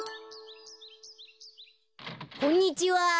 こんにちは。